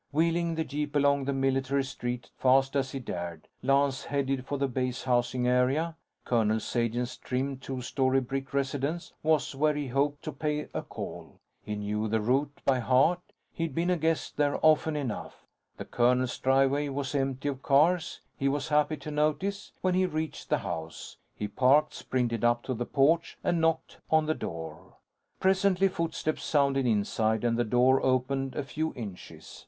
Wheeling the jeep along the military street fast as he dared, Lance headed for the base housing area. Colonel Sagen's trim two story brick residence was where he hoped to pay a call. He knew the route by heart. He'd been a guest there often enough. The colonel's driveway was empty of cars, he was happy to notice, when he reached the house. He parked, sprinted up to the porch, and knocked on the door. Presently, footsteps sounded inside and the door opened a few inches.